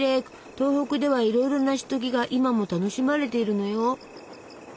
東北ではいろいろなシトギが今も楽しまれているのよ。